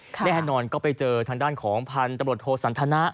แน่นอนก็ไปเจอทางด้านของพันธุ์ตำรวจโทสันทนะ